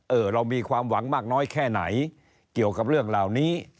เรามีความหวังมากน้อยแค่ไหนเกี่ยวกับเรื่องเหล่านี้